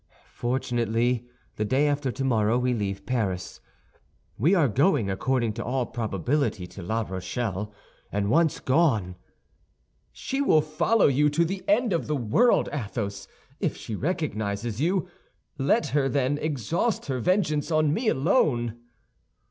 "Fortunately, the day after tomorrow we leave Paris. We are going according to all probability to La Rochelle, and once gone—" "She will follow you to the end of the world, Athos, if she recognizes you. Let her, then, exhaust her vengeance on me alone!"